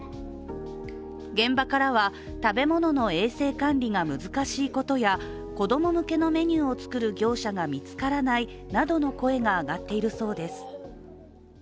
現場からは、食べ物の衛生管理が難しいことや子供向けのメニューを作る業者が見つからないなどの声が上がっているそうです